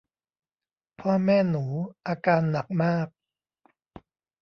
พ่อแม่หนูอาการหนักมาก